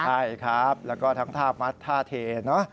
ใช่ครับแล้วก็ทั้งท่ามัดท่าเทเนอะ